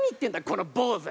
この坊ず。